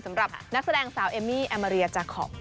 สำหรับนักแสดงสาวเอมมี่แอมมาเรียจาคอป